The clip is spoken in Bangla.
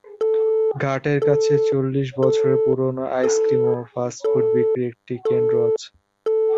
ঘাটের কাছে চল্লিশ বছরের পুরনো আইসক্রিম ও ফাস্ট ফুড বিক্রির একটি কেন্দ্র আছে।